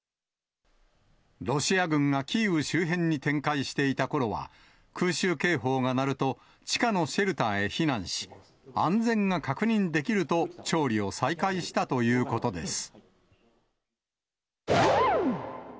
ロシア軍がキーウ周辺に展開していたころは、空襲警報が鳴ると、地下のシェルターへ避難し、安全が確認できると調理を再開したということです。